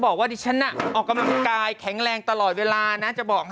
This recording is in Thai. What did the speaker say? ๒๐กว่าวัน